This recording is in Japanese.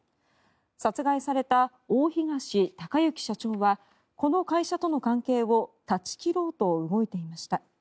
殺害された大東隆行社長はこの会社との関係を断ち切ろうと動いていました。